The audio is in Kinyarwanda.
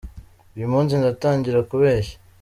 uyumunsi ndatangira kubeshya